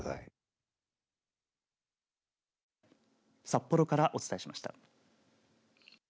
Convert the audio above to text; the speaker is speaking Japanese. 札幌からお伝えしました。